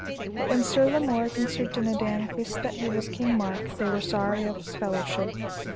But when Sir Lamorak and Sir Dinadan wist that he was King Mark they were sorry of his fellowship.